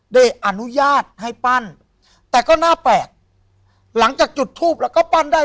ได้อนุญาตให้ปั้นแต่ก็น่าแปลกหลังจากจุดทูปแล้วก็ปั้นได้